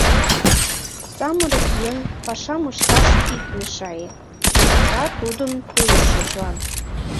«Самырык еҥ, пашам ышташ ит мешае!» шокта тудын пылышыжлан.